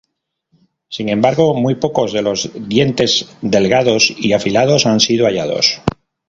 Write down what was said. Sin embargo, muy pocos de los dientes delgados y afilados han sido hallados.